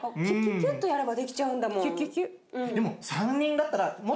っとやればできちゃうんだもん。